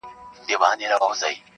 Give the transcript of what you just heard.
خلکو مړي ښخول په هدیرو کي-